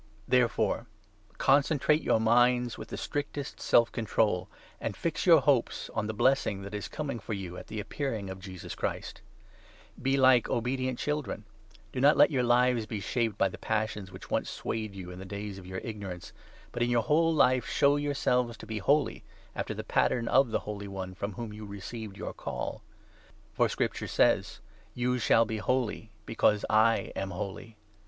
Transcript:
III. — THE CHRISTIAN'S CHARACTER. Therefore concentrate your minds, with the Holiness strictest self control, and fix your hopes on the L°^ blessing that is coming for you at the Appearing of Jesus Christ Be like obedient children ; do not let your lives be shaped by the passions which once swayed you in the days of your ignorance, but in your whole life show yourselves to be holy, after the pattern of the Holy One from whom you received your Call. For Scripture says —' You shall be holy, because I am holy.'